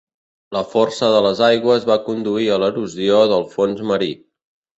La força de les aigües va conduir a l'erosió del fons marí.